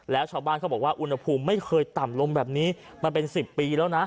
แล้วชาวบ้านเขาบอกว่าอุณหภูมิไม่เคยต่ำลงแบบนี้มาเป็น๑๐ปีแล้วนะ